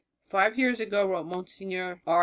"Five years ago," wrote Monsignor R.